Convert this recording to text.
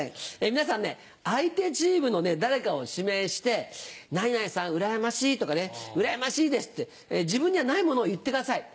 皆さん相手チームの誰かを指名して「何々さんうらやましい」とかね「うらやましいです」って自分にはないものを言ってください。